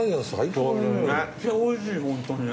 めっちゃおいしいホントに。